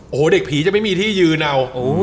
โอ้โหเด็กผีจะไม่มีที่ยืนเอา